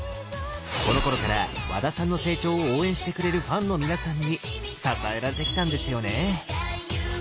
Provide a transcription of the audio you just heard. このころから和田さんの成長を応援してくれるファンの皆さんに支えられてきたんですよね。